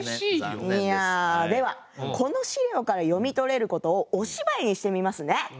いやではこの資料から読み取れることをお芝居にしてみますね。